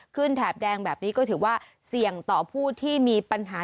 แถบแดงแบบนี้ก็ถือว่าเสี่ยงต่อผู้ที่มีปัญหา